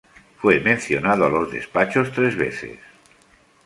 Fue mencionado a los despachos tres veces.